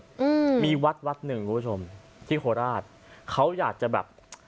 อืมมีวัดวัดหนึ่งคุณผู้ชมที่โคราชเขาอยากจะแบบ